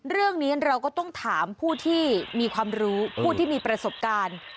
เรื่องนี้เราก็ต้องถามผู้ที่มีความรู้ผู้ที่มีประสบการณ์